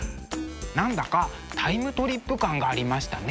何だかタイムトリップ感がありましたね。